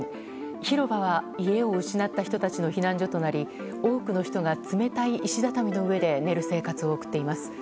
広場は家を失った人たちの避難所となり多くの人が冷たい石畳の上で寝る生活を送っています。